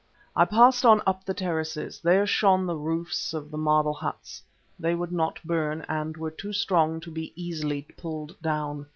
I passed on up the terraces. There shone the roofs of the marble huts. They would not burn, and were too strong to be easily pulled down.